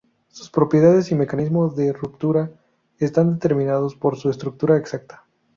Sus propiedades y mecanismo de ruptura están determinados por su estructura exacta.